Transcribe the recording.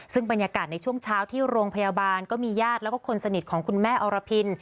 ซึ่งบรรยากาศในช่วงเช้าที่โรงพยาบาลก็มีญาติแล้วก็คนสนิทของคุณแม่อรพิน